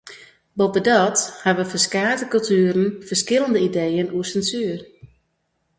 Boppedat hawwe ferskate kultueren ferskillende ideeën oer sensuer.